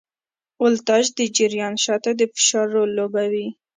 ولتاژ د جریان شاته د فشار رول لوبوي.